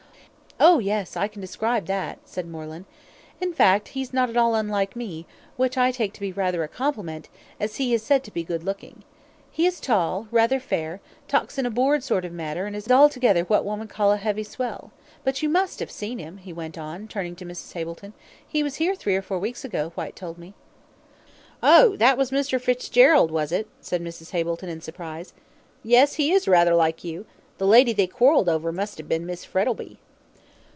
"Oh, yes, I can describe that," said Moreland. "In fact, he's not at all unlike me, which I take to be rather a compliment, as he is said to be good looking. He is tall, rather fair, talks in a bored sort of manner, and is altogether what one would call a heavy swell; but you must have seen him," he went on, turning to Mrs. Hableton, "he was here three or four weeks ago, Whyte told me." "Oh, that was Mr. Fitzgerald, was it?" said Mrs. Hableton, in surprise. "Yes, he is rather like you; the lady they quarrelled over must have been Miss Frettlby."